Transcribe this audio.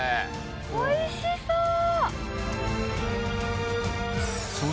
おいしそう！